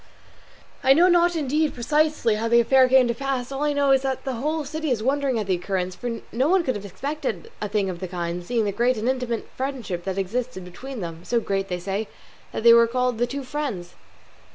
I know not indeed, precisely, how the affair came to pass; all I know is that the whole city is wondering at the occurrence, for no one could have expected a thing of the kind, seeing the great and intimate friendship that existed between them, so great, they say, that they were called 'The Two Friends.